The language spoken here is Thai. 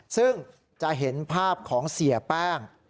ซึ่งจะเห็นภาพของเสียแป้ง